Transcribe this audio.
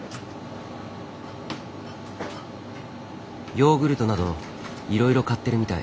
ヨーグルトなどいろいろ買ってるみたい。